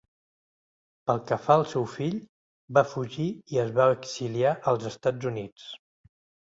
Pel que fa al seu fill, va fugir i es va exiliar als Estats Units.